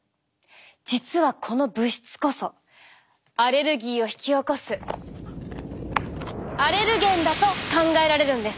実はこの物質こそアレルギーを引き起こすアレルゲンだと考えられるんです。